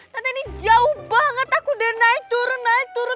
karena ini jauh banget aku udah naik turun naik turun